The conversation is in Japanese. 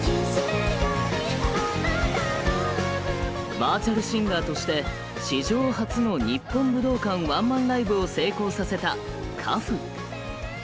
バーチャルシンガーとして史上初の日本武道館ワンマンライブを成功させた花譜。